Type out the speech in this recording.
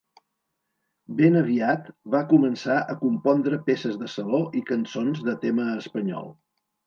Ben aviat va començar a compondre peces de saló i cançons de tema espanyol.